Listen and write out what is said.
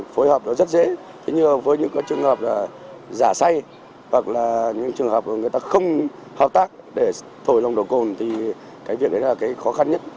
phối hợp đó rất dễ thế nhưng mà với những trường hợp là giả say hoặc là những trường hợp người ta không hợp tác để thổi nồng độ cồn thì cái việc đấy là cái khó khăn nhất